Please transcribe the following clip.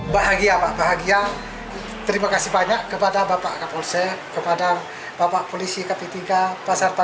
sementara itu irfan mengaku sedih dan menyesal atas perbuatan yang dilakukannya